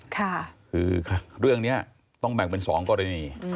คือเรื่องนี้ต้องแบ่งเป็น๒กรณี